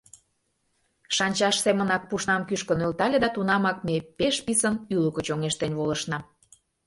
Шанчаш семынак пушнам кӱшкӧ нӧлтале да тунамак ме пеш писын ӱлыкӧ чоҥештен волышна.